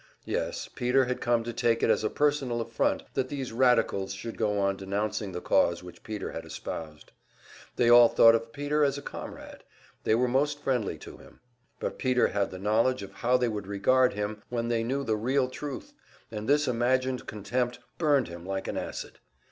Yes, Peter had come to take it as a personal affront that these radicals should go on denouncing the cause which Peter had espoused. They all thought of Peter as a comrade, they were most friendly to him; but Peter had the knowledge of how they would regard him when they knew the real truth, and this imagined contempt burned him like an acid.